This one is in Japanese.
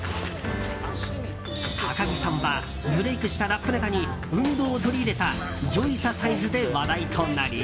高木さんはブレークしたラップネタに運動を取り入れたジョイササイズで話題となり